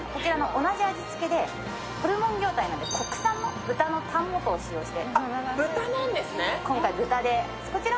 同じ味つけで、ホルモン業態なので、豚のタン元を使用して。